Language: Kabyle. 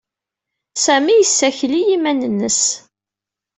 Sami yessakel i yiman-nnes.